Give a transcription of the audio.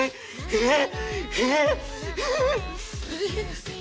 えっ！？